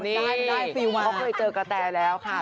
นี่เขาเคยเจอกระแต้แล้วค่ะ